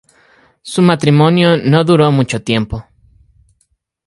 Su matrimonio no duró mucho tiempo.